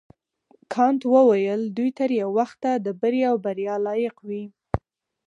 کانت وویل دوی تر یو وخته د بري او بریا لایق وي.